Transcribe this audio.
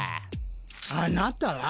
あなたは？